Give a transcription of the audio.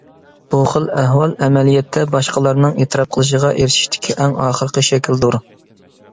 بۇ خىل ئەھۋال ئەمەلىيەتتە باشقىلارنىڭ ئېتىراپ قىلىشىغا ئېرىشىشتىكى ئەڭ ئاخىرقى شەكىلدۇر.